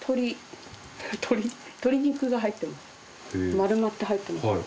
丸まって入ってます。